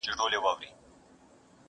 ؛او د شپېلۍ آواز به غونډي درې وڅيرلې؛